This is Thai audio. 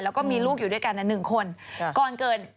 แล้วก็มีลูกอยู่ด้วยกันนั่น๑คน